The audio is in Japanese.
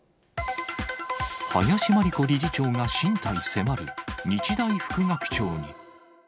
林真理子理事長が進退迫る、日大副学長に。